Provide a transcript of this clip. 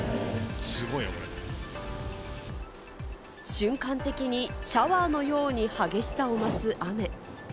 瞬間的にシャワーのように激しさを増す雨。